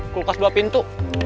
kulkas dua pintu